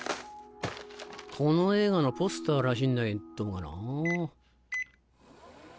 この映画のポスターらしいんだけんどもなぁ。